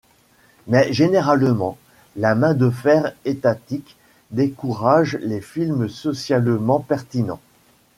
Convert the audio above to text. Mais généralement, la main de fer étatique décourage les films socialement pertinents.